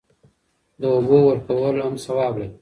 د اوبو ورکول هم ثواب لري.